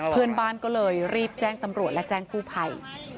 เพื่อนบ้านก็เลยรีบแจ้งตำรวจและแจ้งกู้ภัย